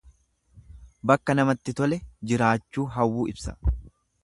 Bakka namatti tole jiraachuu hawwuu ibsa.